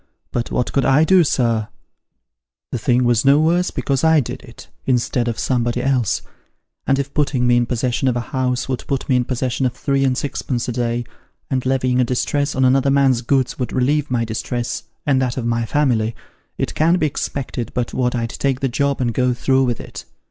But what could I do, sir ? The thing was no worse because I did it, instead of somebody else ; and if putting me in possession of a house would put me in possession of three and sixpence a day, and levying a distress on another man's goods would relieve my distress and that 2O Sketches by Bos. of my family, it can't be expected but what I'd take the job and go through with it.